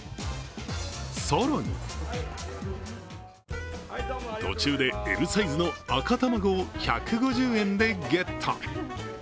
更に途中でＬサイズの赤卵を１５０円でゲット。